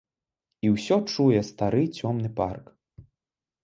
І ўсё чуе стары цёмны парк.